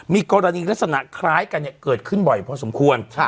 มีกรณีลักษณะคล้ายกันเกิดขึ้นบ่อยพอสมควร